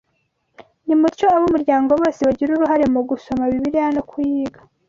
Nimutyo ab’umuryango bose bagire uruhare mu gusoma Bibiliya no kuyiga